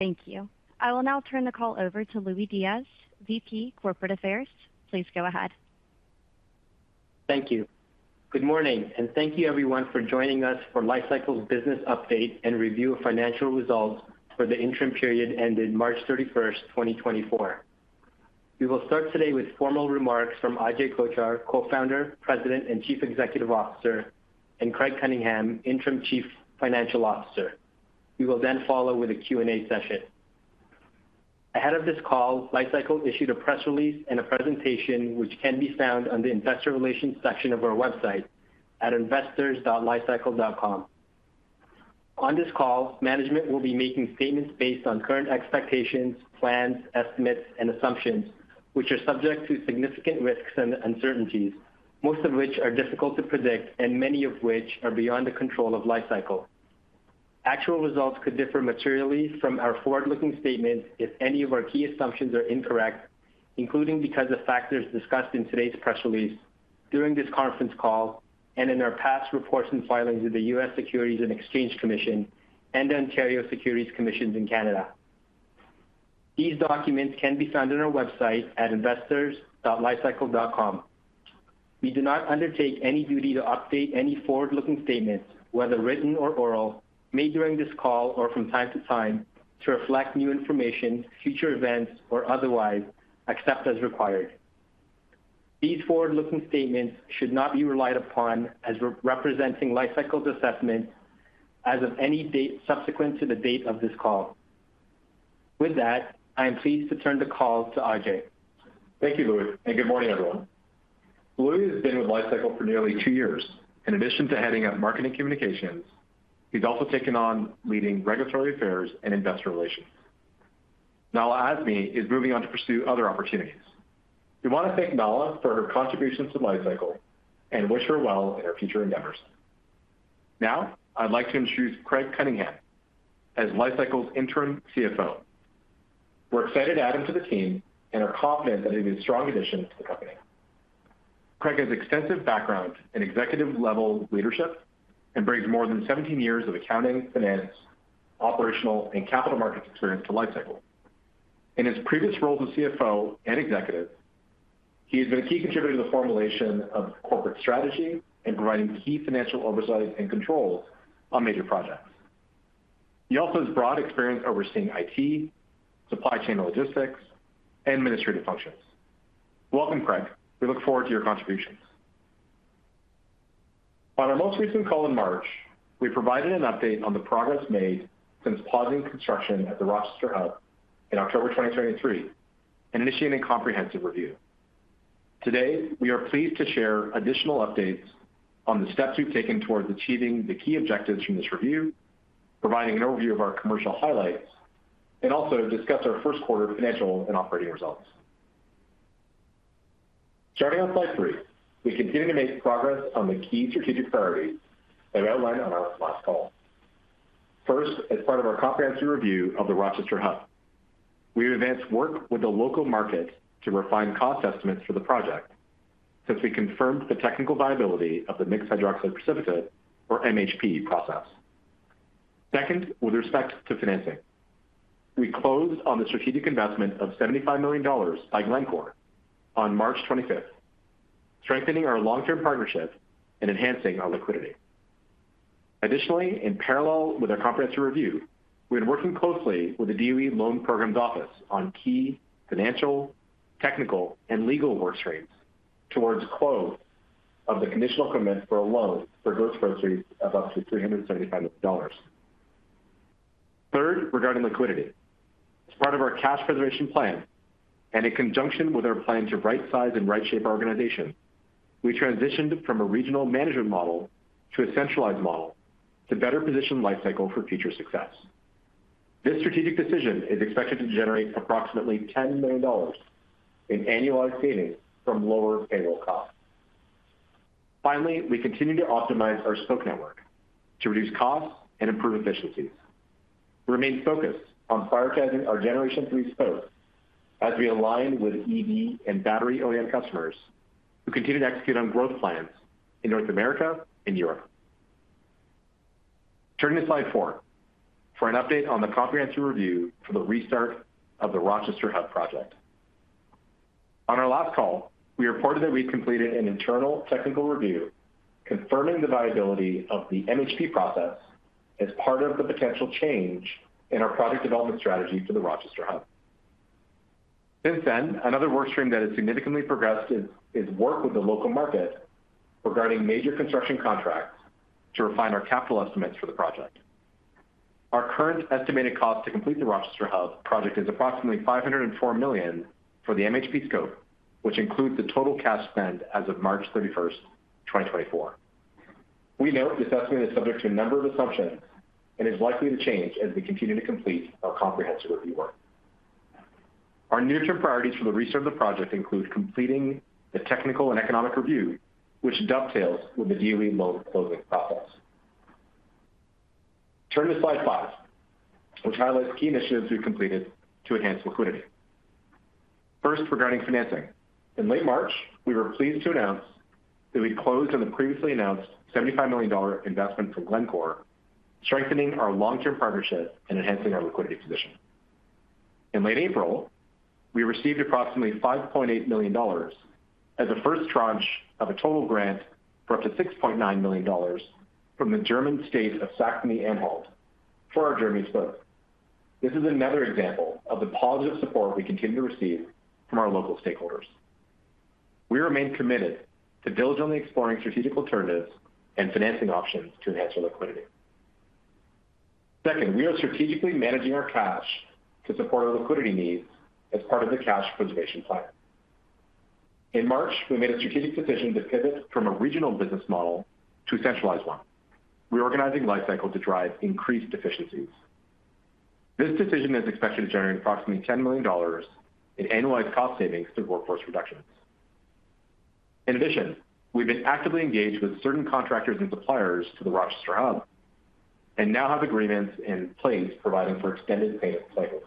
Thank you. I will now turn the call over to Louie Diaz, VP Corporate Affairs. Please go ahead. Thank you. Good morning, and thank you everyone for joining us for Li-Cycle's business update and review of financial results for the interim period ended March 31st, 2024. We will start today with formal remarks from Ajay Kochhar, Co-Founder, President and Chief Executive Officer, and Craig Cunningham, Interim Chief Financial Officer. We will then follow with a Q&A session. Ahead of this call, Li-Cycle issued a press release and a presentation which can be found on the Investor Relations section of our website at investors.li-cycle.com. On this call, management will be making statements based on current expectations, plans, estimates, and assumptions, which are subject to significant risks and uncertainties, most of which are difficult to predict and many of which are beyond the control of Li-Cycle. Actual results could differ materially from our forward-looking statements if any of our key assumptions are incorrect, including because of factors discussed in today's press release, during this conference call, and in our past reports and filings with the U.S. Securities and Exchange Commission and Ontario Securities Commission in Canada. These documents can be found on our website at investors.li-cycle.com. We do not undertake any duty to update any forward-looking statements, whether written or oral, made during this call or from time to time, to reflect new information, future events, or otherwise, except as required. These forward-looking statements should not be relied upon as representing Li-Cycle's assessment as of any date subsequent to the date of this call. With that, I am pleased to turn the call to Ajay. Thank you, Louie, and good morning, everyone. Louie has been with Li-Cycle for nearly two years. In addition to heading up marketing communications, he's also taken on leading regulatory affairs and investor relations. Nahla Azmy is moving on to pursue other opportunities. We want to thank Nahla for her contributions to Li-Cycle and wish her well in her future endeavors. Now, I'd like to introduce Craig Cunningham as Li-Cycle's Interim CFO. We're excited to add him to the team and are confident that he'll be a strong addition to the company. Craig has extensive background in executive-level leadership and brings more than 17 years of accounting, finance, operational, and capital markets experience to Li-Cycle. In his previous roles as CFO and executive, he has been a key contributor to the formulation of corporate strategy and providing key financial oversight and controls on major projects. He also has broad experience overseeing IT, supply chain logistics, and administrative functions. Welcome, Craig. We look forward to your contributions. On our most recent call in March, we provided an update on the progress made since pausing construction at the Rochester Hub in October 2023 and initiating comprehensive review. Today, we are pleased to share additional updates on the steps we've taken towards achieving the key objectives from this review, providing an overview of our commercial highlights, and also discuss our first quarter financial and operating results. Starting on slide three, we continue to make progress on the key strategic priorities that we outlined on our last call. First, as part of our comprehensive review of the Rochester Hub, we advanced work with the local market to refine cost estimates for the project since we confirmed the technical viability of the Mixed Hydroxide Precipitate, or MHP, process. Second, with respect to financing, we closed on the strategic investment of $75 million by Glencore on March 25th, strengthening our long-term partnership and enhancing our liquidity. Additionally, in parallel with our comprehensive review, we've been working closely with the DOE Loan Programs Office on key financial, technical, and legal workstreams towards close of the conditional commitment for a loan for Rochester Hub of up to $375 million. Third, regarding liquidity, as part of our cash preservation plan and in conjunction with our plan to right-size and right-shape our organization, we transitioned from a regional management model to a centralized model to better position Li-Cycle for future success. This strategic decision is expected to generate approximately $10 million in annualized savings from lower payroll costs. Finally, we continue to optimize our spoke network to reduce costs and improve efficiencies. We remain focused on prioritizing our Generation 3 Spokes as we align with EV and battery-oriented customers who continue to execute on growth plans in North America and Europe. Turning to slide 4 for an update on the comprehensive review for the restart of the Rochester Hub project. On our last call, we reported that we'd completed an internal technical review confirming the viability of the MHP process as part of the potential change in our project development strategy for the Rochester Hub. Since then, another workstream that has significantly progressed is work with the local market regarding major construction contracts to refine our capital estimates for the project. Our current estimated cost to complete the Rochester Hub project is approximately $504 million for the MHP scope, which includes the total cash spend as of March 31st, 2024. We note this estimate is subject to a number of assumptions and is likely to change as we continue to complete our comprehensive review work. Our near-term priorities for the restart of the project include completing the technical and economic review, which dovetails with the DOE loan closing process. Turning to slide 5, which highlights key initiatives we've completed to enhance liquidity. First, regarding financing, in late March, we were pleased to announce that we'd closed on the previously announced $75 million investment from Glencore, strengthening our long-term partnership and enhancing our liquidity position. In late April, we received approximately $5.8 million as a first tranche of a total grant for up to $6.9 million from the German state of Saxony-Anhalt for our Germany spoke. This is another example of the positive support we continue to receive from our local stakeholders. We remain committed to diligently exploring strategic alternatives and financing options to enhance our liquidity. Second, we are strategically managing our cash to support our liquidity needs as part of the cash preservation plan. In March, we made a strategic decision to pivot from a regional business model to a centralized one, reorganizing Li-Cycle to drive increased efficiencies. This decision is expected to generate approximately $10 million in annualized cost savings through workforce reductions. In addition, we've been actively engaged with certain contractors and suppliers to the Rochester Hub and now have agreements in place providing for extended payment cycles.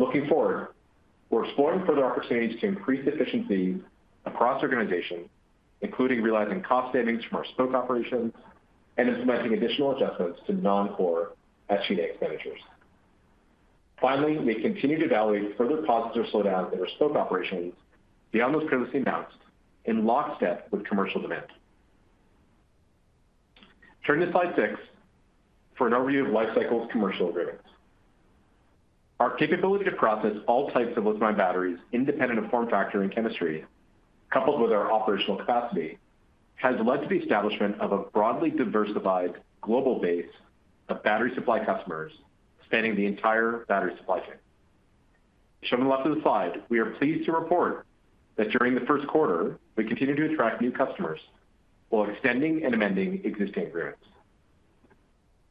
Looking forward, we're exploring further opportunities to increase efficiencies across organizations, including realizing cost savings from our Spoke operations and implementing additional adjustments to non-core EMEA and APAC managers. Finally, we continue to evaluate further positives or slowdowns in our spoke operations beyond those previously announced, in lockstep with commercial demand. Turning to slide six for an overview of Li-Cycle's commercial agreements. Our capability to process all types of lithium-ion batteries independent of form factor and chemistry, coupled with our operational capacity, has led to the establishment of a broadly diversified global base of battery supply customers spanning the entire battery supply chain. Showing left of the slide, we are pleased to report that during the first quarter, we continue to attract new customers while extending and amending existing agreements.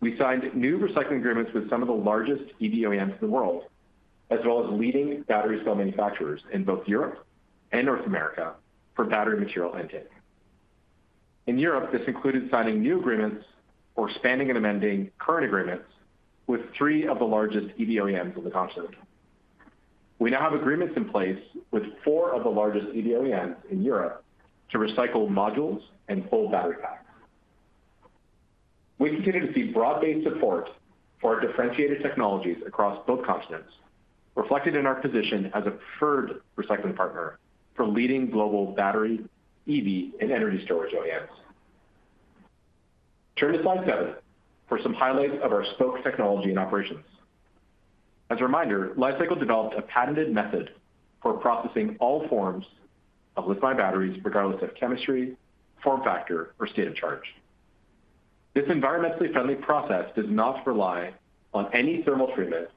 We signed new recycling agreements with some of the largest EV OEMs in the world, as well as leading battery cell manufacturers in both Europe and North America for battery material intake. In Europe, this included signing new agreements or expanding and amending current agreements with three of the largest EV OEMs on the continent. We now have agreements in place with four of the largest EV OEMs in Europe to recycle modules and full battery packs. We continue to see broad-based support for our differentiated technologies across both continents, reflected in our position as a preferred recycling partner for leading global battery, EV, and energy storage OEMs. Turning to slide seven for some highlights of our spoke technology and operations. As a reminder, Li-Cycle developed a patented method for processing all forms of lithium-ion batteries, regardless of chemistry, form factor, or state of charge. This environmentally friendly process does not rely on any thermal treatment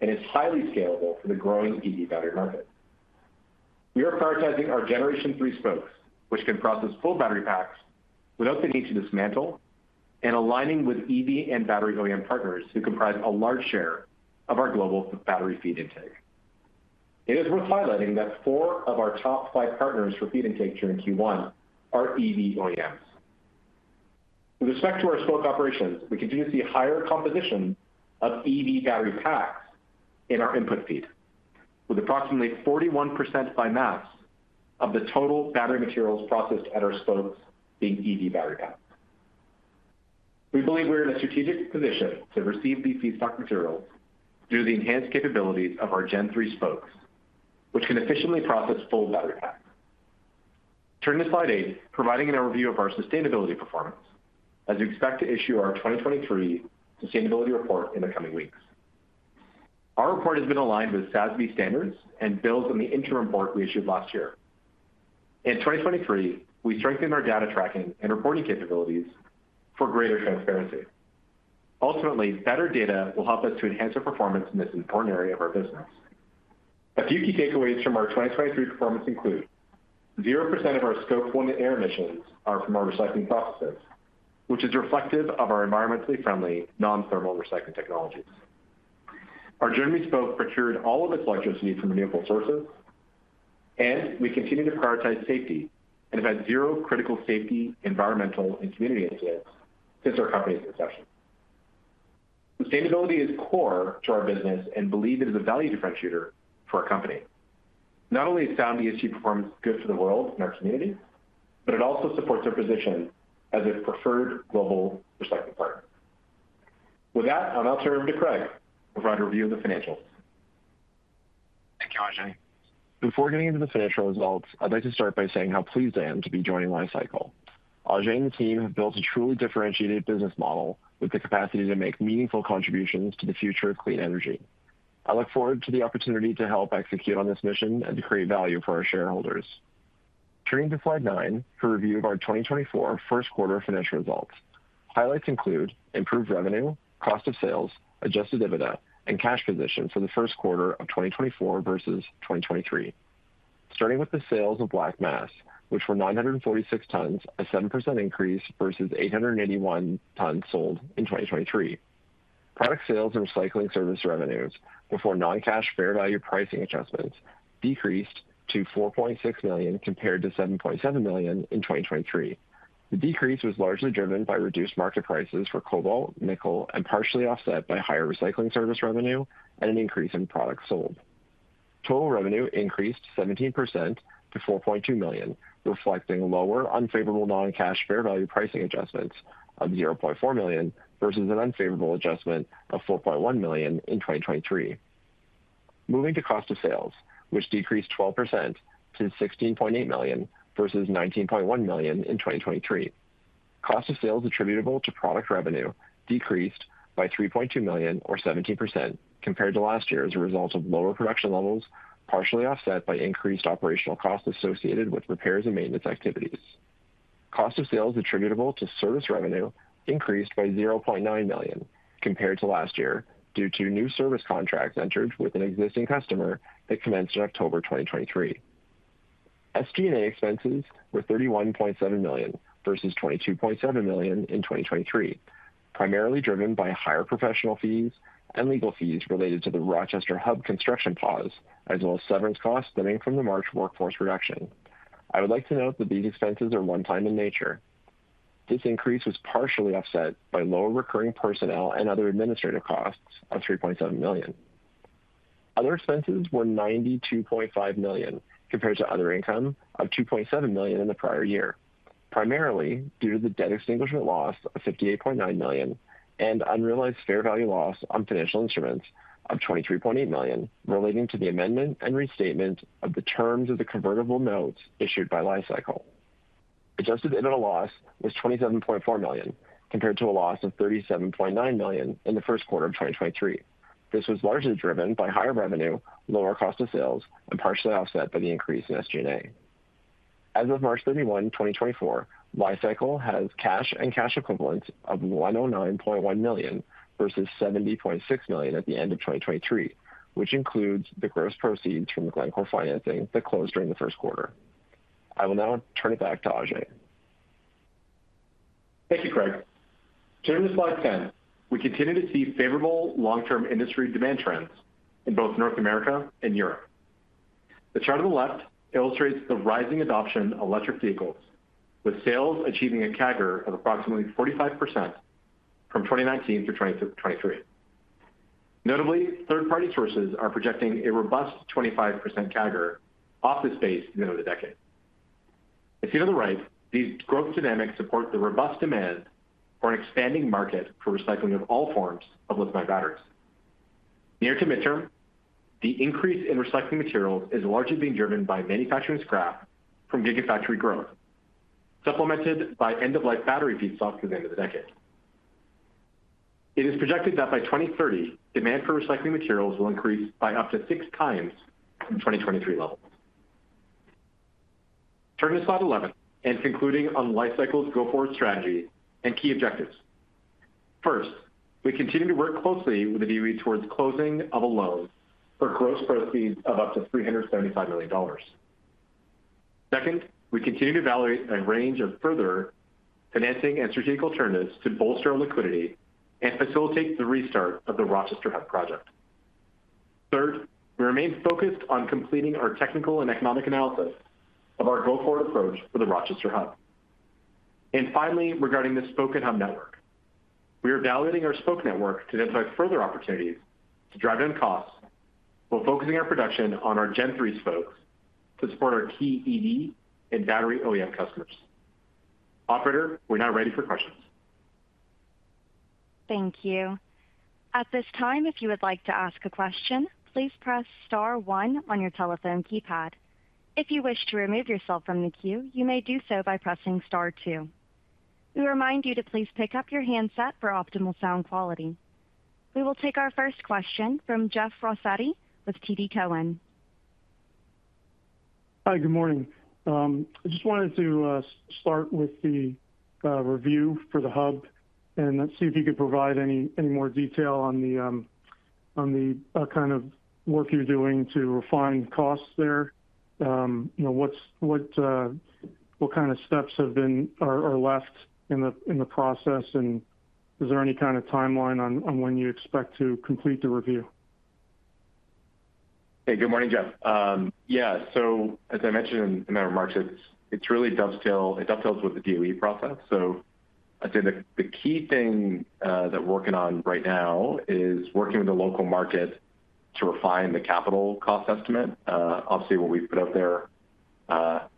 and is highly scalable for the growing EV battery market. We are prioritizing our Generation 3 Spokes, which can process full battery packs without the need to dismantle, and aligning with EV and battery OEM partners who comprise a large share of our global battery feed intake. It is worth highlighting that four of our top five partners for feed intake during Q1 are EV OEMs. With respect to our spoke operations, we continue to see higher composition of EV battery packs in our input feed, with approximately 41% by mass of the total battery materials processed at our spokes being EV battery packs. We believe we're in a strategic position to receive these feedstock materials due to the enhanced capabilities of our Gen 3 Spokes, which can efficiently process full battery packs. Turning to slide eight, providing an overview of our sustainability performance as we expect to issue our 2023 sustainability report in the coming weeks. Our report has been aligned with SASB standards and builds on the interim report we issued last year. In 2023, we strengthened our data tracking and reporting capabilities for greater transparency. Ultimately, better data will help us to enhance our performance in this important area of our business. A few key takeaways from our 2023 performance include 0% of our Scope 1 air emissions are from our recycling processes, which is reflective of our environmentally friendly non-thermal recycling technologies. Our Germany Spoke procured all of its electricity from renewable sources, and we continue to prioritize safety and have had zero critical safety, environmental, and community incidents since our company's inception. Sustainability is core to our business and we believe it is a value differentiator for our company. Not only is sound ESG performance good for the world and our community, but it also supports our position as a preferred global recycling partner. With that, I'll now turn over to Craig to provide a review of the financials. Thank you, Ajay. Before getting into the financial results, I'd like to start by saying how pleased I am to be joining Li-Cycle. Ajay and the team have built a truly differentiated business model with the capacity to make meaningful contributions to the future of clean energy. I look forward to the opportunity to help execute on this mission and to create value for our shareholders. Turning to slide nine for review of our 2024 first quarter financial results. Highlights include improved revenue, cost of sales, adjusted dividend, and cash position for the first quarter of 2024 versus 2023. Starting with the sales of Black Mass, which were 946 tons, a 7% increase versus 881 tons sold in 2023. Product sales and recycling service revenues, before non-cash fair value pricing adjustments, decreased to $4.6 million compared to $7.7 million in 2023. The decrease was largely driven by reduced market prices for cobalt, nickel, and partially offset by higher recycling service revenue and an increase in products sold. Total revenue increased 17% to $4.2 million, reflecting lower unfavorable non-cash fair value pricing adjustments of $0.4 million versus an unfavorable adjustment of $4.1 million in 2023. Moving to cost of sales, which decreased 12% to $16.8 million versus $19.1 million in 2023. Cost of sales attributable to product revenue decreased by $3.2 million, or 17%, compared to last year as a result of lower production levels, partially offset by increased operational costs associated with repairs and maintenance activities. Cost of sales attributable to service revenue increased by $0.9 million compared to last year due to new service contracts entered with an existing customer that commenced in October 2023. SG&A expenses were $31.7 million versus $22.7 million in 2023, primarily driven by higher professional fees and legal fees related to the Rochester Hub construction pause, as well as severance costs stemming from the March workforce reduction. I would like to note that these expenses are one-time in nature. This increase was partially offset by lower recurring personnel and other administrative costs of $3.7 million. Other expenses were $92.5 million compared to other income of $2.7 million in the prior year, primarily due to the debt extinguishment loss of $58.9 million and unrealized fair value loss on financial instruments of $23.8 million relating to the amendment and restatement of the terms of the convertible notes issued by Li-Cycle. Adjusted EBITDA loss was $27.4 million compared to a loss of $37.9 million in the first quarter of 2023. This was largely driven by higher revenue, lower cost of sales, and partially offset by the increase in SG&A. As of March 31, 2024, Li-Cycle has cash and cash equivalents of $109.1 million versus $70.6 million at the end of 2023, which includes the gross proceeds from the Glencore financing that closed during the first quarter. I will now turn it back to Ajay. Thank you, Craig. Turning to slide 10, we continue to see favorable long-term industry demand trends in both North America and Europe. The chart on the left illustrates the rising adoption of electric vehicles, with sales achieving a CAGR of approximately 45% from 2019 through 2023. Notably, third-party sources are projecting a robust 25% CAGR off the space at the end of the decade. As seen on the right, these growth dynamics support the robust demand for an expanding market for recycling of all forms of lithium-ion batteries. Near to midterm, the increase in recycling materials is largely being driven by manufacturing scrap from gigafactory growth, supplemented by end-of-life battery feedstocks at the end of the decade. It is projected that by 2030, demand for recycling materials will increase by up to six times from 2023 levels. Turning to slide 11 and concluding on Li-Cycle's go-forward strategy and key objectives. First, we continue to work closely with the DOE towards closing of a loan for gross proceeds of up to $375 million. Second, we continue to evaluate a range of further financing and strategic alternatives to bolster our liquidity and facilitate the restart of the Rochester Hub project. Third, we remain focused on completing our technical and economic analysis of our go-forward approach for the Rochester Hub. And finally, regarding the Spoke and Hub network, we are evaluating our Spoke network to identify further opportunities to drive down costs while focusing our production on our Gen 3 Spokes to support our key EV and battery OEM customers. Operator, we're now ready for questions. Thank you. At this time, if you would like to ask a question, please press star one on your telephone keypad. If you wish to remove yourself from the queue, you may do so by pressing star two. We remind you to please pick up your handset for optimal sound quality. We will take our first question from Jeff Rossetti with TD Cowen. Hi, good morning. I just wanted to start with the review for the hub and see if you could provide any more detail on the kind of work you're doing to refine costs there. What kind of steps have been left in the process, and is there any kind of timeline on when you expect to complete the review? Hey, good morning, Jeff. Yeah, so as I mentioned in my remarks, it's really dovetails with the DOE process. So I'd say the key thing that we're working on right now is working with the local market to refine the capital cost estimate. Obviously, what we've put out there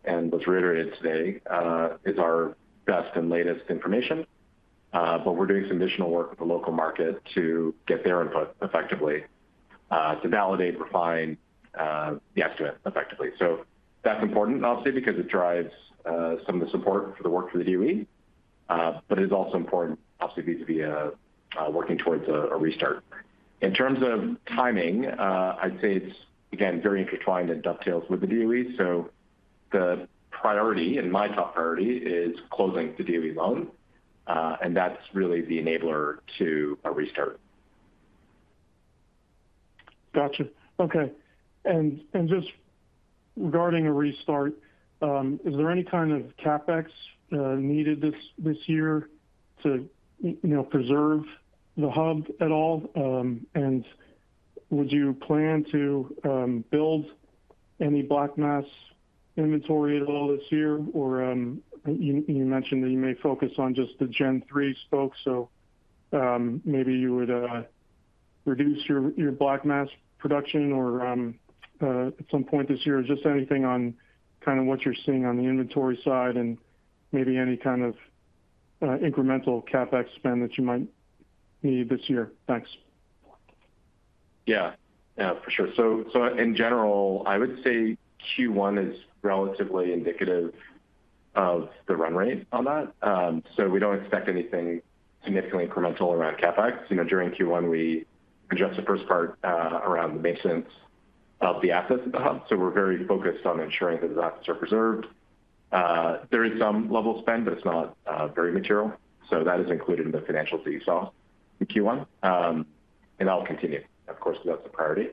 and was reiterated today is our best and latest information, but we're doing some additional work with the local market to get their input effectively to validate, refine the estimate effectively. So that's important, obviously, because it drives some of the support for the work for the DOE, but it is also important, obviously, to be working towards a restart. In terms of timing, I'd say it's, again, very intertwined and dovetails with the DOE. So the priority, and my top priority, is closing the DOE loan, and that's really the enabler to a restart. Gotcha. Okay. And just regarding a restart, is there any kind of CapEx needed this year to preserve the hub at all? And would you plan to build any black mass inventory at all this year? Or you mentioned that you may focus on just the Gen 3 spoke, so maybe you would reduce your black mass production at some point this year. Just anything on kind of what you're seeing on the inventory side and maybe any kind of incremental CapEx spend that you might need this year. Thanks. Yeah, yeah, for sure. So in general, I would say Q1 is relatively indicative of the run rate on that. So we don't expect anything significantly incremental around CapEx. During Q1, we address the first part around the maintenance of the assets at the hub. So we're very focused on ensuring that those assets are preserved. There is some level of spend, but it's not very material. So that is included in the financials that you saw in Q1. And that'll continue, of course, because that's the priority.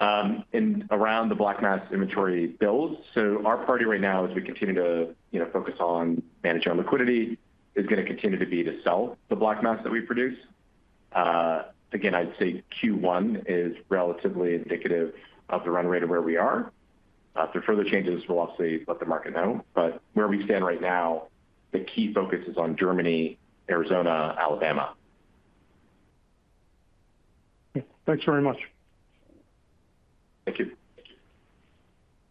And around the Black Mass inventory bills, so our priority right now as we continue to focus on managing our liquidity is going to continue to be to sell the Black Mass that we produce. Again, I'd say Q1 is relatively indicative of the run rate of where we are. If there are further changes, we'll obviously let the market know. Where we stand right now, the key focus is on Germany, Arizona, Alabama. Okay. Thanks very much. Thank you.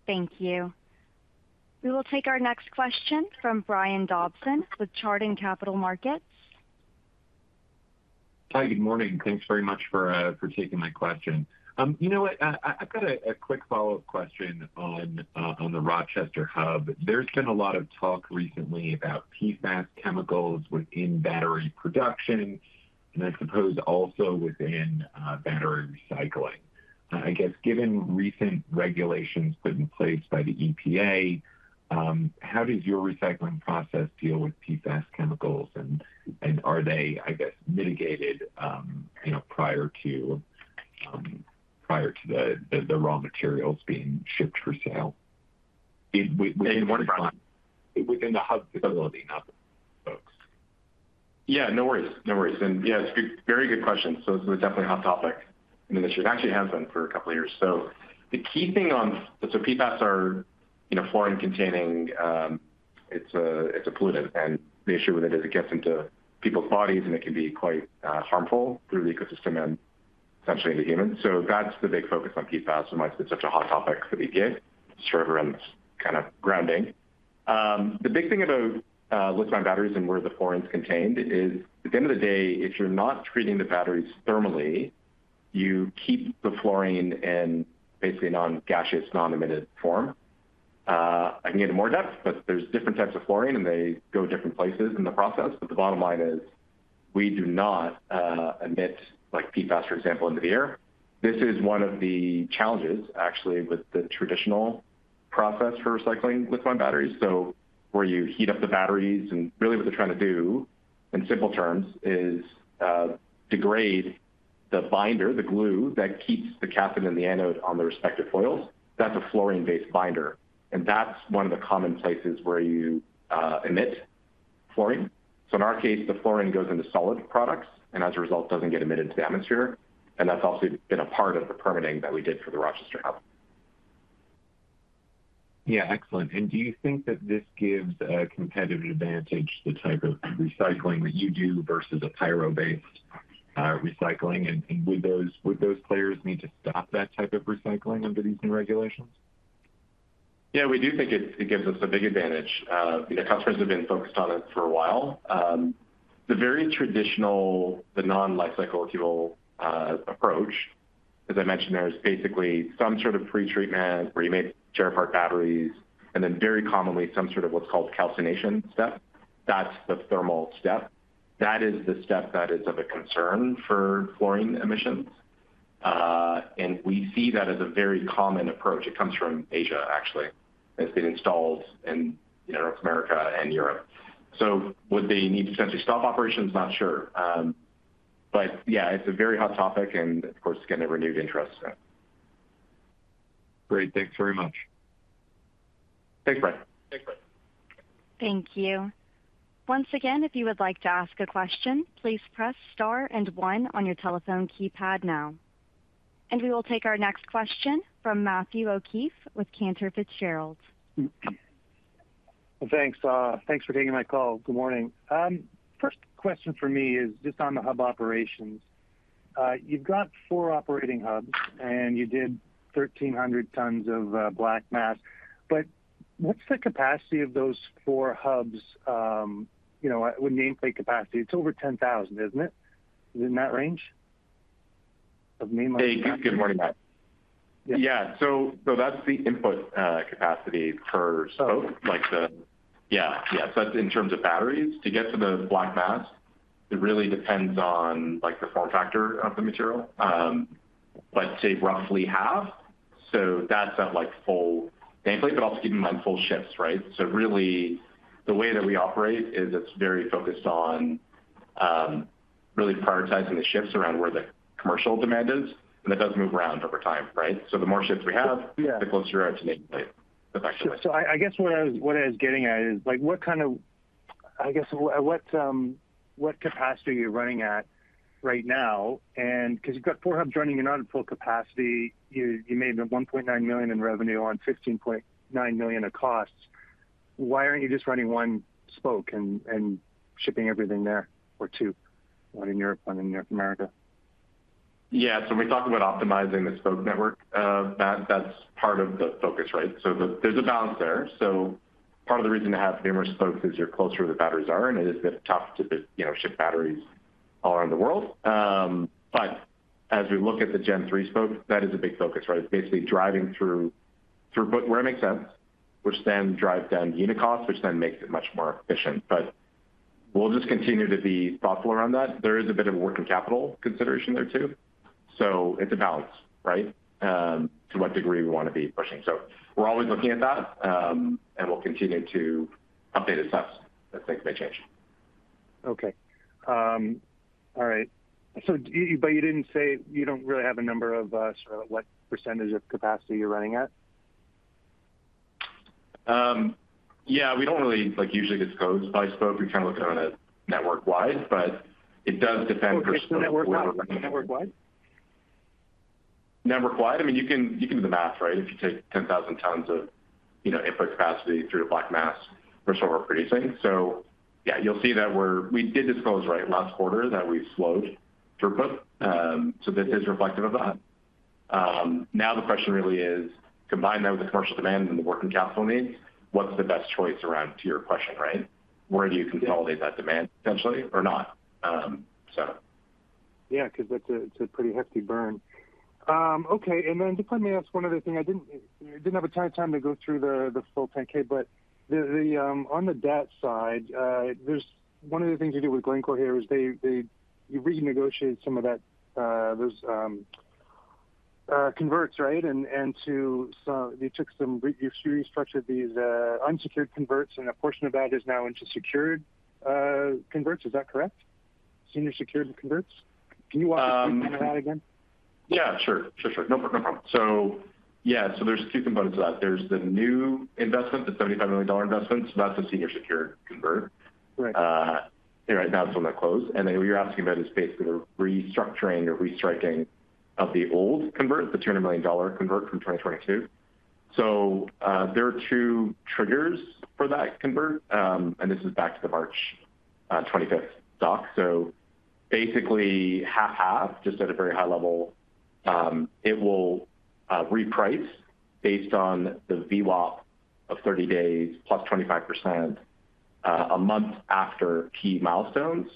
Thank you. We will take our next question from Brian Dobson with Chardan Capital Markets. Hi, good morning. Thanks very much for taking my question. You know what? I've got a quick follow-up question on the Rochester Hub. There's been a lot of talk recently about PFAS chemicals within battery production, and I suppose also within battery recycling. I guess given recent regulations put in place by the EPA, how does your recycling process deal with PFAS chemicals, and are they, I guess, mitigated prior to the raw materials being shipped for sale within the hub facility, not the spokes? Yeah, no worries. No worries. And yeah, it's a very good question. So it's definitely a hot topic in the industry. It actually has been for a couple of years. So the key thing on so PFAS are fluorine-containing. It's a pollutant. And the issue with it is it gets into people's bodies, and it can be quite harmful through the ecosystem and essentially into humans. So that's the big focus on PFAS, and why it's been such a hot topic for the EPA. Just forever on kind of grounding. The big thing about lithium-ion batteries and where the fluorine is contained is at the end of the day, if you're not treating the batteries thermally, you keep the fluorine in basically non-gaseous, non-emitted form. I can get into more depth, but there's different types of fluorine, and they go different places in the process. The bottom line is we do not emit PFAS, for example, into the air. This is one of the challenges, actually, with the traditional process for recycling lithium-ion batteries. So where you heat up the batteries, and really what they're trying to do in simple terms is degrade the binder, the glue that keeps the cathode and the anode on the respective coils. That's a fluorine-based binder. And that's one of the common places where you emit fluorine. So in our case, the fluorine goes into solid products and, as a result, doesn't get emitted into the atmosphere. And that's obviously been a part of the permitting that we did for the Rochester Hub. Yeah, excellent. Do you think that this gives a competitive advantage, the type of recycling that you do, versus a pyro-based recycling? Would those players need to stop that type of recycling under these new regulations? Yeah, we do think it gives us a big advantage. Customers have been focused on it for a while. The very traditional, the non-Li-Cycle approach, as I mentioned, there's basically some sort of pretreatment where you make shred-part batteries, and then very commonly some sort of what's called calcination step. That's the thermal step. That is the step that is of a concern for fluorine emissions. And we see that as a very common approach. It comes from Asia, actually, as being installed in North America and Europe. So would they need to potentially stop operations? Not sure. But yeah, it's a very hot topic and, of course, it's going to renewed interest. Great. Thanks very much. Thanks, Brian. Thanks, Brian. Thank you. Once again, if you would like to ask a question, please press star and one on your telephone keypad now. We will take our next question from Matthew O'Keefe with Cantor Fitzgerald. Thanks. Thanks for taking my call. Good morning. First question for me is just on the hub operations. You've got four operating hubs, and you did 1,300 tons of Black Mass. But what's the capacity of those four hubs? When you nameplate capacity, it's over 10,000, isn't it? Is it in that range of nameplate capacity? Hey, good morning, Matt. Yeah, so that's the input capacity per Spoke, like the yeah, yeah. So that's in terms of batteries. To get to the Black Mass, it really depends on the form factor of the material. But say roughly half, so that's at full nameplate, but also keep in mind full shifts, right? So really, the way that we operate is it's very focused on really prioritizing the shifts around where the commercial demand is. And that does move around over time, right? So the more shifts we have, the closer we are to nameplate, effectively. Sure. So I guess what I was getting at is what kind of I guess what capacity are you running at right now? Because you've got four Hubs running. You're not at full capacity. You made $1.9 million in revenue on $15.9 million of costs. Why aren't you just running one Spoke and shipping everything there or two, one in Europe, one in North America? Yeah. So when we talk about optimizing the spoke network, that's part of the focus, right? So there's a balance there. So part of the reason to have numerous spokes is you're closer to where the batteries are, and it is a bit tough to ship batteries all around the world. But as we look at the Gen 3 spoke, that is a big focus, right? It's basically driving through where it makes sense, which then drives down unit costs, which then makes it much more efficient. But we'll just continue to be thoughtful around that. There is a bit of a working capital consideration there too. So it's a balance, right, to what degree we want to be pushing. So we're always looking at that, and we'll continue to update assets as things may change. Okay. All right. But you didn't say you don't really have a number of sort of what percentage of capacity you're running at? Yeah, we don't really usually disclose by spoke. We kind of look at it on a network-wide, but it does depend per spoke. Okay. So network-wide? Network-wide, I mean, you can do the math, right? If you take 10,000 tons of input capacity through the Black Mass for solar producing. So yeah, you'll see that we did disclose, right, last quarter that we've slowed throughput. So this is reflective of that. Now the question really is, combine that with the commercial demand and the working capital needs. What's the best choice around, to your question, right? Where do you consolidate that demand, potentially, or not, so. Yeah, because it's a pretty hefty burn. Okay. And then just let me ask one other thing. I didn't have a ton of time to go through the full 10-K, but on the debt side, one of the things you do with Glencore here is you renegotiate some of those converts, right? And you took some you restructured these unsecured converts, and a portion of that is now into secured converts. Is that correct? Senior secured converts? Can you walk us through some of that again? Yeah, sure. Sure, sure. No problem. So yeah, so there's 2 components to that. There's the new investment, the $75 million investment. So that's a senior secured convert. Right now, it's one that closed. And then what you're asking about is basically the restructuring or restriking of the old convert, the $200 million convert from 2022. So there are 2 triggers for that convert, and this is back to the March 25th stock. So basically, half-half, just at a very high level, it will reprice based on the VWAP of 30 days plus 25% a month after key milestones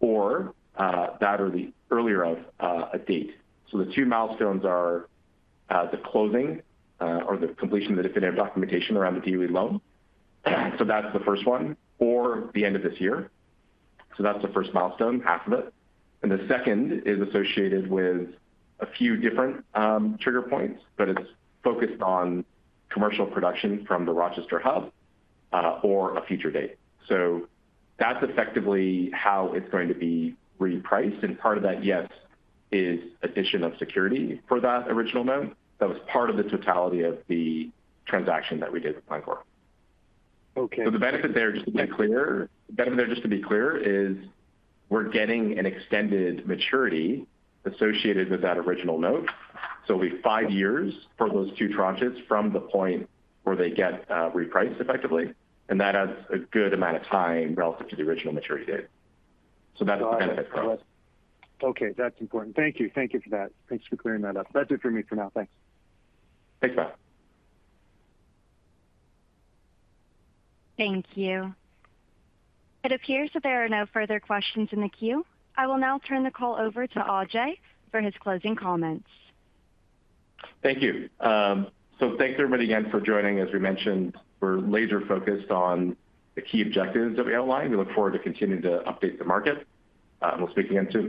or that or the earlier of a date. So the 2 milestones are the closing or the completion of the definitive documentation around the DOE loan. So that's the first one or the end of this year. So that's the first milestone, half of it. And the second is associated with a few different trigger points, but it's focused on commercial production from the Rochester Hub or a future date. So that's effectively how it's going to be repriced. And part of that, yes, is addition of security for that original note. That was part of the totality of the transaction that we did with Glencore. So the benefit there, just to be clear the benefit there, just to be clear, is we're getting an extended maturity associated with that original note. So it'll be 5 years for those 2 tranches from the point where they get repriced, effectively. And that adds a good amount of time relative to the original maturity date. So that's the benefit for us. Got it. Okay. That's important. Thank you. Thank you for that. Thanks for clearing that up. That's it for me for now. Thanks. Thanks, Matt. Thank you. It appears that there are no further questions in the queue. I will now turn the call over to Ajay for his closing comments. Thank you. So thanks, everybody, again for joining. As we mentioned, we're laser-focused on the key objectives that we outlined. We look forward to continuing to update the market. We'll speak again soon.